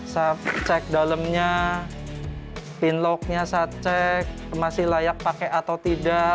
saya cek dalemnya pin lognya saya cek masih layak pakai atau tidak